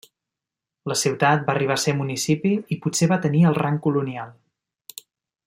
La ciutat va arribar a ser municipi i potser va tenir el rang colonial.